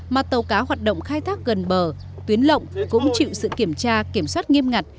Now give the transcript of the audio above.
mà tàu cá hoạt động khai thác gần bờ tuyến lộng cũng chịu sự kiểm tra kiểm soát nghiêm ngặt